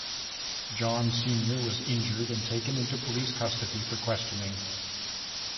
John Senior was injured and taken into police custody for questioning.